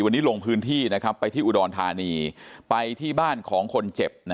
วันนี้ลงพื้นที่ไปที่อุดรธานีไปที่บ้านของคนเจ็บ